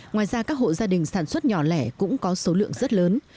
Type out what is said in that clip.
ngoài ra các hộ gia đình sản xuất nhỏ lẻ cũng có số lượng rất lớn